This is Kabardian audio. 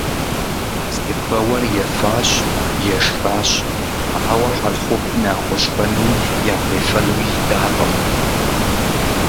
Псыхэуэр ефащ, ешхащ, ауэ Хьэрхъупым яхуэшхэнуи яхуефэни идакъым.